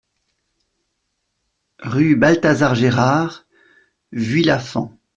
Rue Balthazar Gérard, Vuillafans